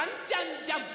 ジャンプ！！」